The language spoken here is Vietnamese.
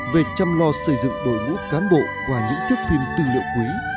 về chăm lo xây dựng đội ngũ cán bộ qua những tiếp phim tư liệu quý